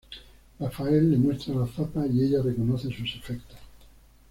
Raphaël le muestra la zapa y ella reconoce sus efectos.